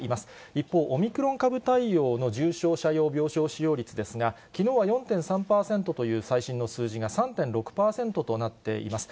一方、オミクロン株対応の重症者用病床使用率ですが、きのうは４．３％という最新の数字が３．６％となっています。